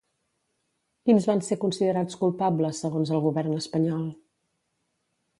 Quins van ser considerats culpables segons el govern espanyol?